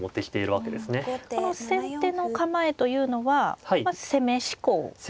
この先手の構えというのは攻め志向なんですか。